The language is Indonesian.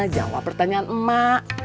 jawab pertanyaan emak